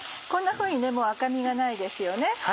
こんなふうにもう赤身がないですよね。